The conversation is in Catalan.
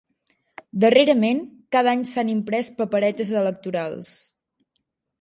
Darrerament, cada any s'han imprès paperetes electorals.